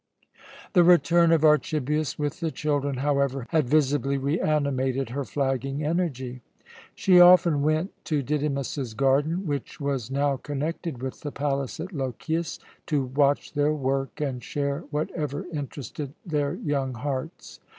The return of Archibius with the children, however, had visibly reanimated her flagging energy. She often went to Didymus's garden, which was now connected with the palace at Lochias, to watch their work and share whatever interested their young hearts.